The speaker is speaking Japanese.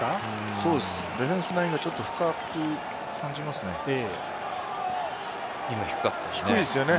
ディフェンスラインがちょっと深く感じますね。